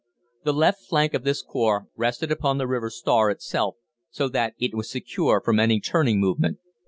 "The left flank of this corps rested on the river Stour itself, so that it was secure from any turning movement.